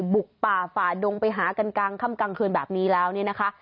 บุกป่าฝ่าดงไปหากันกลางค่ำกลางคืนแบบนี้แล้วเนี่ยนะคะ